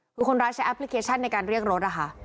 คือคนร้ายใช้แอปพลิเคชันในการเรียกรถนะคะ